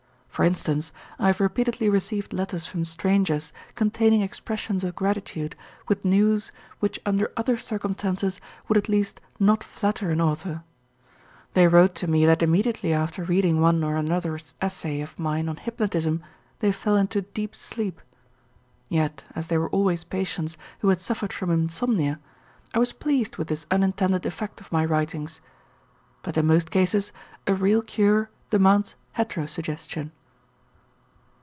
For instance, I have repeatedly received letters from strangers containing expressions of gratitude with news which under other circumstances would at least not flatter an author. They wrote to me that immediately after reading one or another essay of mine on hypnotism, they fell into deep sleep. Yet as they were always patients who had suffered from insomnia, I was pleased with this unintended effect of my writings. But in most cases a real cure demands heterosuggestion.